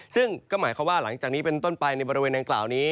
ซึ่งก็หมายความว่าหลังจากนี้เป็นต้นไปในบริเวณดังกล่าวนี้